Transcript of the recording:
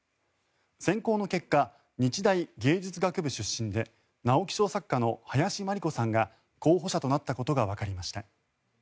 選考の結果、日大芸術学部出身で直木賞作家の林真理子さんが候補者となったことがわかりました。